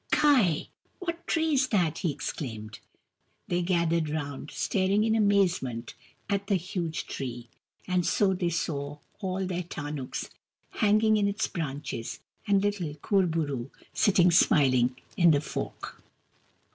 " Ky ! What tree is that ?" he exclaimed. They gathered round, staring in amazement at the huge tree : and so they saw all their tarnuks hanging in its branches, and little Kur bo roo sitting smiling in the fork.